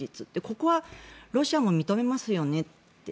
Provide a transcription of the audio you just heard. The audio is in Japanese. ここはロシアも認めますよね。